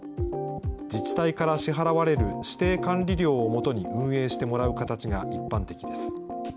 自治体から支払われる指定管理料をもとに運営してもらう形が一般的です。